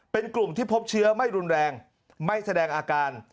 เป็นกลุ่มที่พบเชื้อไม่รุนแรงไม่แสดงอาการ